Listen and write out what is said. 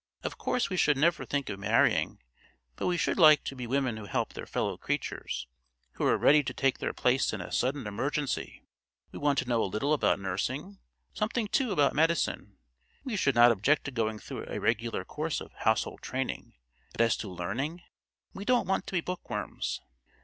Of course we should never think of marrying; but we should like to be women who help their fellow creatures, who are ready to take their place in a sudden emergency. We want to know a little about nursing, something too about medicine. We should not object to going through a regular course of household training; but as to learning, we don't want to be bookworms."